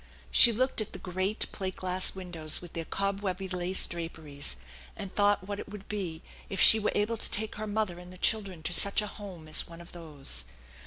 She looked at the great plate glass windows with their cobwebby lace draperies, and thought what it would be if she were able to take her mother and the children to such a home as one of those.